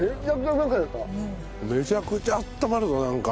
めちゃくちゃあったまるぞなんか。